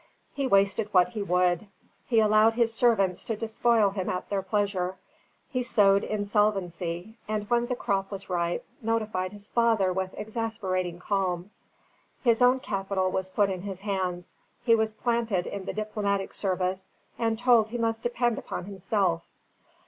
He wasted what he would; he allowed his servants to despoil him at their pleasure; he sowed insolvency; and when the crop was ripe, notified his father with exasperating calm. His own capital was put in his hands, he was planted in the diplomatic service and told he must depend upon himself.